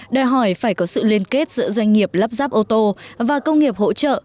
đòi hỏi phải có sự liên kết giữa doanh nghiệp lắp ráp ô tô và công nghiệp hỗ trợ